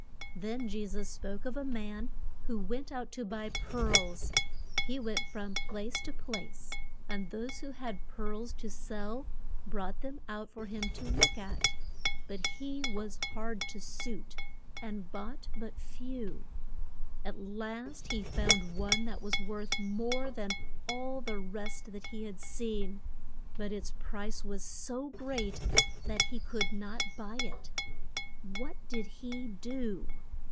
Then Je sus spoke of a man who went out to buy pearls. He went from place to place, and those who had pearls to sell brought them out for him to look at, but he was hard to suit, and bought but few. At last he found one that was worth more than all the rest that he had seen. But its price was so great that he could not buy it. What did he do?